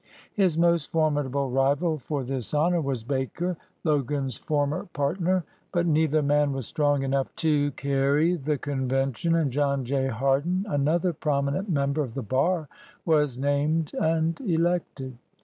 His most formidable rival for this honor was Baker, Logan's former 8 127 LINCOLN THE LAWYER partner; but neither man was strong enough to carry the convention, and John J. Hardin, another prominent member of the bar, was named and elected.